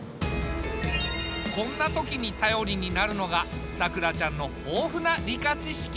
こんな時に頼りになるのがさくらちゃんの豊富な理科知識。